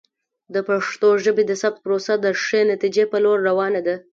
د پښتو ژبې د ثبت پروسه د ښې نتیجې په لور روانه ده.